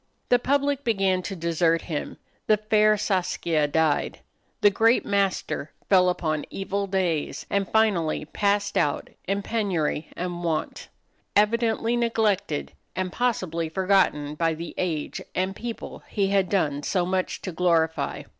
The public began to desert him, the fair Saskia died, the great master fell upon evil days, and finally passed out in penury and want evidently neglected and possibly forgotten by the age and people he had done so much to glorify.